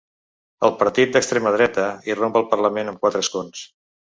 El partit d’extrema dreta irromp al parlament amb quatre escons.